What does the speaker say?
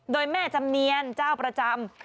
โดยแม่จำเนียนเจ้าประจำ